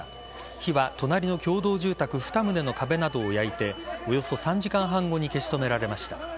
火は隣の共同住宅２棟の壁などを焼いておよそ３時間半後に消し止められました。